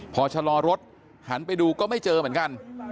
พอชะลอรถหันไปดูก็ไม่เจอเหมือนกัน